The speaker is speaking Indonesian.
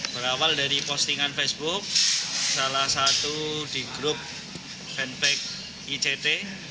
berawal dari postingan facebook salah satu di grup fanbag ict